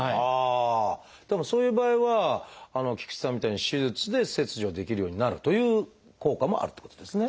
そういう場合は菊池さんみたいに手術で切除できるようになるという効果もあるってことですね。